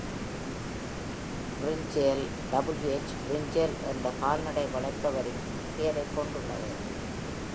Pringle W. H. Pringle என்ற கால்நடை வளர்ப்பவரின் பெயரைக் கொண்டுள்ளது